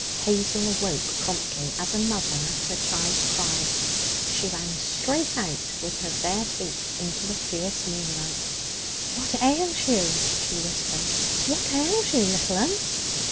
Hazel awoke promptly, as a mother at her child's cry. She ran straight out with her bare feet into the fierce moonlight. 'What ails you?' she whispered. 'What ails you, little un?'